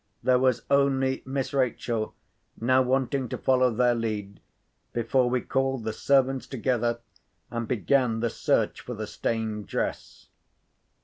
There was only Miss. Rachel now wanting to follow their lead, before we called the servants together, and began the search for the stained dress.